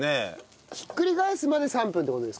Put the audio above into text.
ひっくり返すまで３分って事ですか？